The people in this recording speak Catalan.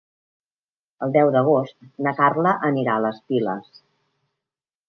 El deu d'agost na Carla anirà a les Piles.